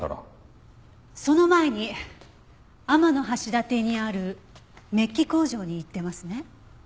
その前に天橋立にあるメッキ工場に行ってますね？